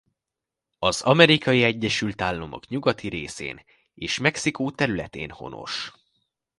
Az Amerikai Egyesült Államok nyugati részén és Mexikó területén honos.